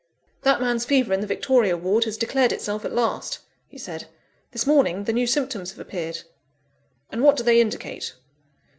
"That man's fever in the Victoria Ward has declared itself at last," he said. "This morning the new symptoms have appeared." "And what do they indicate?"